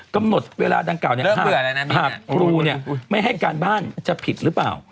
กำหนดเวลาดังกล่าวเนี้ยเริ่มเบื่อแล้วนะหากครูเนี้ยไม่ให้การบ้านจะผิดหรือเปล่า